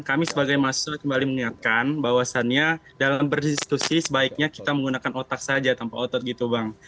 kami sebagai mahasiswa kembali mengingatkan bahwasannya dalam berdiskusi sebaiknya kita menggunakan otak saja tanpa otot gitu bang